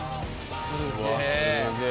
すげえ。